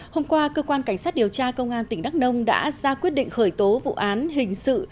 hôm qua cơ quan cảnh sát điều tra công an tỉnh đắk nông đã ra quyết định khởi tố vụ án hình sự